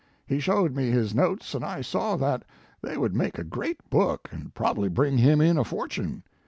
He showed me his notes and I saw that they would make a great book and probabl} r bring him in a fortune.